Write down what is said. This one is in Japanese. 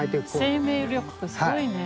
生命力すごいね。